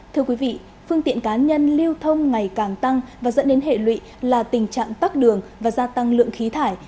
thưa quý vị phương tiện cá nhân lưu thông ngày càng tăng và dẫn đến hệ lụy là tình trạng tắt đường và gia tăng lượng khí thải